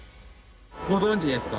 ご存じですか？